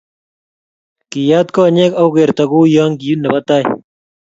Kiyat konyek akokerto kouyo ki nebo tai